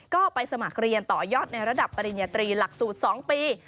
ก็ไปสมัครเรียนต่อยอดในระดับปริญญาตรีหลักสูตร๒ปี